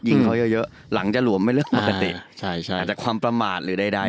เขาเยอะเยอะหลังจะหลวมไม่เลือกปกติใช่ใช่อาจจะความประมาทหรือใด